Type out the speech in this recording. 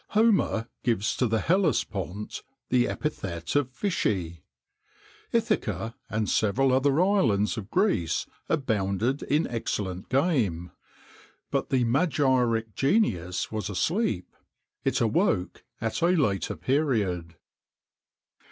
Homer gives to the Hellespont the epithet of fishy; Ithaca, and several other islands of Greece, abounded in excellent game;[XXIX 4] but the magiric genius was asleep it awoke at a later period.